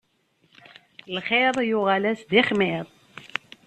Lxir yuɣal-as d ixmir.